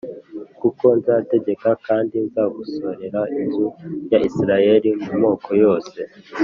“Kuko nzategeka kandi nzagosorera inzu ya Isirayeli mu moko yose